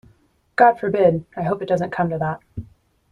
God forbid! I hope it doesn't come to that.